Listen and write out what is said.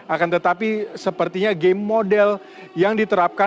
akan tetapi sepertinya game model yang diterapkan